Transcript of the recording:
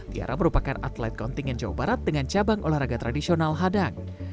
tiara merupakan atlet kontingen jawa barat dengan cabang olahraga tradisional hadang